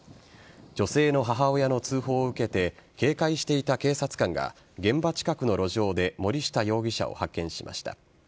女性の母親の通報を受けて警戒していた警察官が現場近くの路上で森下容疑者を発見しました。